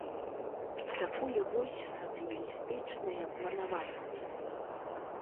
Такое вось сацыялістычнае планаванне.